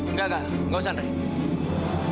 enggak enggak gak usah dre